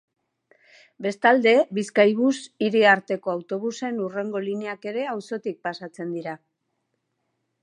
Bestalde, Bizkaibus hiri-arteko autobusen hurrengo lineak ere auzotik pasatzen dira.